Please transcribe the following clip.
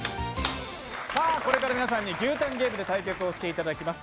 これから皆さんに牛タンゲームで対決をしていただきます。